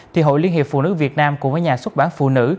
thì hội liên hiệp phụ nữ việt nam cùng với nhà xuất bản phụ nữ